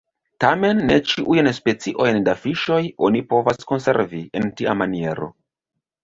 Tamen ne ĉiujn specojn da fiŝoj oni povas konservi en tia maniero.